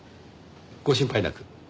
ご心配なく。